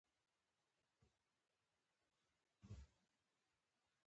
آیا د نصرالدین ټوکې په پښتنو کې مشهورې نه دي؟